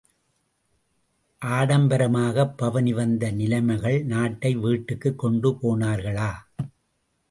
ஆடம்பரமாகப் பவனி வந்த நிலைமைகள் நாட்டை வீட்டுக்குக் கொண்டு போனார்களா?